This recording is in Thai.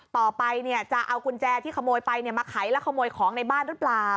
ต่อไปจะเอากุญแจที่ขโมยไปมาไขและขโมยของในบ้านหรือเปล่า